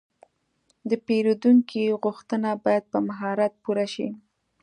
د پیرودونکي غوښتنه باید په مهارت پوره شي.